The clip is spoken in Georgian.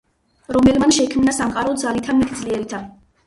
რომელმან შექმნა სამყარო ძალითა მით ძლიერითა